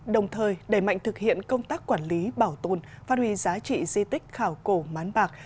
đồng thời đẩy mạnh thực hiện công tác quản lý bảo tồn phát huy giá trị di tích khảo cổ mán bạc